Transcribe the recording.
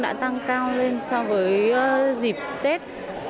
đã tăng cao lên so với dịp tết